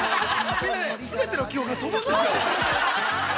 ◆みんなね、全ての記憶が飛ぶんですよ。